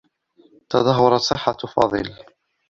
تدهورت صحّة فاضل.